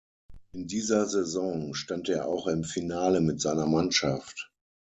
In dieser Saison stand er auch im Finale mit seiner Mannschaft.